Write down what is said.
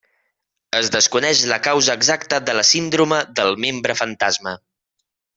Es desconeix la causa exacta de la síndrome del membre fantasma.